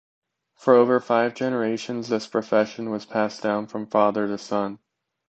For over five generations, this profession was passed down from father to son.